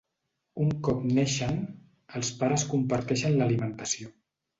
Un cop neixen, els pares comparteixen l’alimentació.